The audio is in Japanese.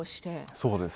そうです。